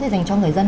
dành cho người dân